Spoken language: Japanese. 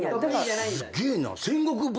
すげえな。